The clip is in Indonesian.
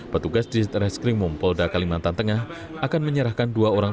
petugas di reskrimum polda kalimantan tengah akan menyerahkan dua orang